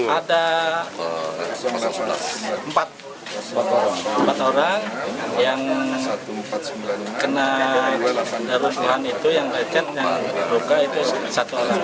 ada empat orang yang kena darur kehan itu yang leket